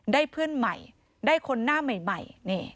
เพื่อนใหม่ได้คนหน้าใหม่